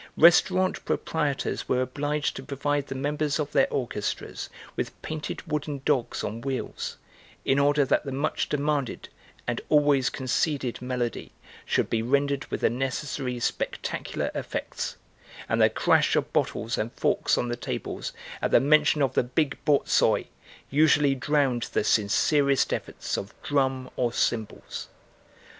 Restaurant proprietors were obliged to provide the members of their orchestras with painted wooden dogs on wheels, in order that the much demanded and always conceded melody should be rendered with the necessary spectacular effects, and the crash of bottles and forks on the tables at the mention of the big borzoi usually drowned the sincerest efforts of drum or cymbals.